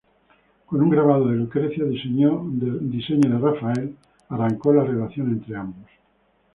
Con un grabado de "Lucrecia", diseño de Rafael, arrancó la relación entre ambos.